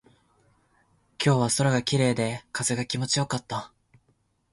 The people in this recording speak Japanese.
今日は空が綺麗で、風が気持ちよかった。